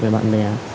với bạn bè